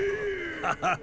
ハハハッ。